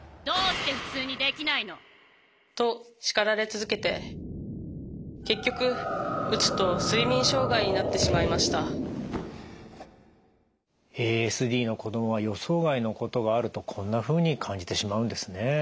どうして普通にできないの？と叱られ続けて結局うつと睡眠障害になってしまいましたＡＳＤの子どもは予想外のことがあるとこんなふうに感じてしまうんですね。